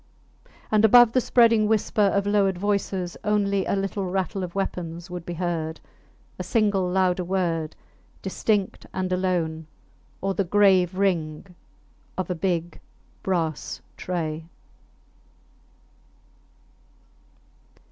And above the spreading whisper of lowered voices only a little rattle of weapons would be heard, a single louder word distinct and alone, or the grave ring of a big brass tray.